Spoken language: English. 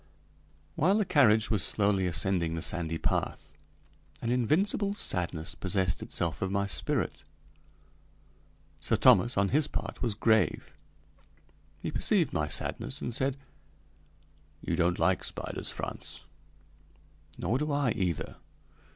While the carriage was slowly ascending the sandy path, an invincible sadness possessed itself of my spirit. Sir Thomas, on his part, was grave. He perceived my sadness and said: "You don't like spiders, Frantz, nor do I either.